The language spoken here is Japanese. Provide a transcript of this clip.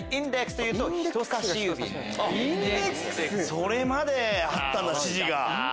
それまであったんだ指示が。